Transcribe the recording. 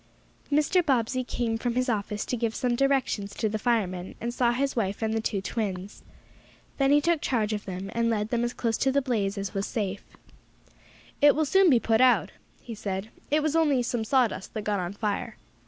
Mr. Bobbsey came from his office to give some directions to the firemen, and saw his wife and the two twins. Then he took charge of them, and led them as close to the blaze as was safe. "It will soon be out," he said. "It was only some sawdust that got on fire."